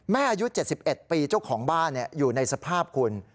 อายุ๗๑ปีเจ้าของบ้านอยู่ในสภาพคุณ